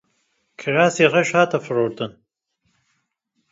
Kirasê reş hat firotin.